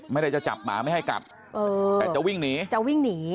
ไม่ได้จะจับมาไม่ให้กลับแต่จะวิ่งหนี